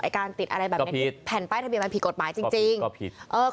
ไอ้การติดแผ่นใบทะเบียนมันผิดกฎหมายจริง